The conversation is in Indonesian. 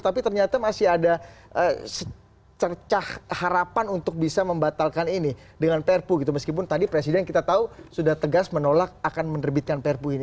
tapi ternyata masih ada tercah harapan untuk bisa membatalkan ini dengan perpu gitu meskipun tadi presiden kita tahu sudah tegas menolak akan menerbitkan perpu ini